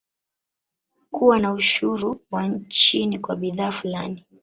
Kuwa na ushuru wa chini kwa bidhaa fulani